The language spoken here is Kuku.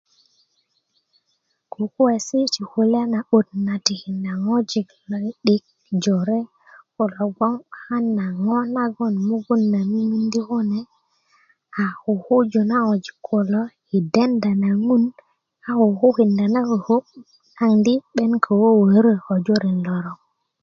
kukuwesi ti kulya na 'but na tindá ŋwojik na 'di'dik jore kulo gboŋ 'bakan na ŋo naŋ mugon na mimiyindi kune a kukuju na ŋwojik kune i dendá na ŋun a ko kukukindá na koko naŋ di 'ben ko wöwörö ko julin lorok